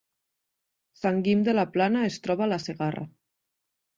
Sant Guim de la Plana es troba a la Segarra